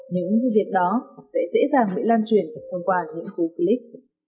những sự việc đó sẽ dễ dàng bị lan truyền thông qua những khu clit